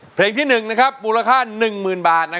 เพลงที่๑นะครับบุคคลค่า๑เหมือนบาท